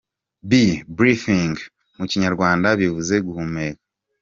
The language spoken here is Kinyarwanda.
B : Breathing : Mu Kinyarwanda bivuze “guhumeka”.